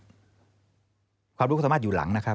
ความรู้ความสามารถอยู่หลังนะครับ